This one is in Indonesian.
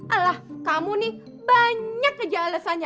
alah kamu nih banyak aja alasannya